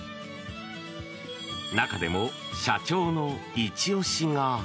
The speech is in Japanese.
中でも、社長のイチ押しが。